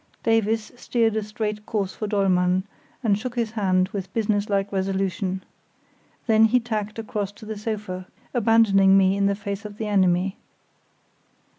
Davies steered a straight course for Dollmann, and shook his hand with businesslike resolution. Then he tacked across to the sofa, abandoning me in the face of the enemy.